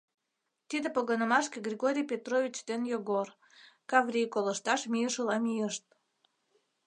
Тиде погынымашке Григорий Петрович ден Йогор, Каврий колышташ мийышыла мийышт.